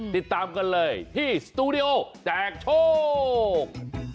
ติดตามกันเลยที่สตูดิโอแจกโชค